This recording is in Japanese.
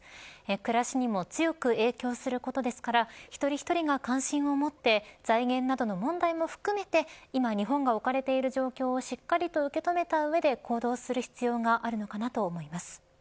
暮らしにも強く影響することですから一人一人が関心を持って財源などの問題も含めて今、日本が置かれている状況をしっかり受け止めた上で行動する必要があるのかなと思います。